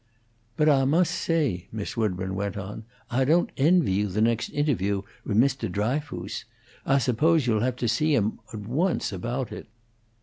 "But Ah most say," Miss Woodburn went on, "Ah don't envy you you' next interview with Mr. Dryfoos. Ah suppose you'll have to see him at once aboat it."